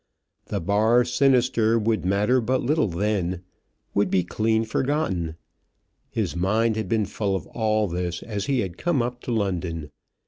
The bar sinister would matter but little then; would be clean forgotten. His mind had been full of all this as he had come up to London.